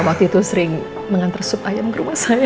waktu itu sering mengantar sup ayam ke rumah saya